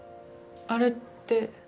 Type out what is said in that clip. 「あれ」って？